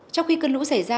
trong khi cơn lũ xảy ra